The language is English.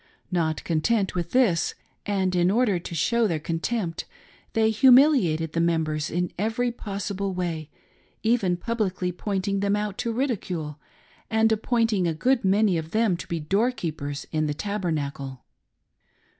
Not content with this, and in order to show their contempt, they humiliated the mem bers in every possible way, even publicly pointing them out to ridicule, and appointing a good many of them to be door keepers in the Tabernacle.